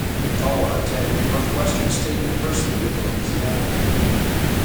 Tolar attended Northwestern State University of Louisiana.